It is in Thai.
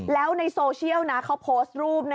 แล้วในโซเชียลนะเขาโพสต์รูป